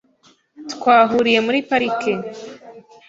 Twahuriye muri parike .